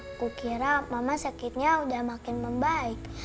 aku kira mama sakitnya udah makin membaik